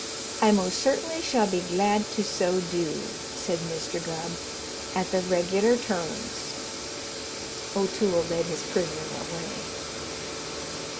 "I most certainly shall be glad to so do," said Mr. Gubb, "at the regular terms." O'Toole led his prisoner away.